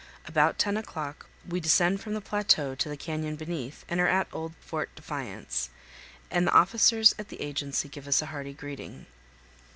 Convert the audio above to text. About ten o'clock we descend from the plateau to the canyon beneath and are at old Port Defiance, and the officers at the agency give us a hearty greeting.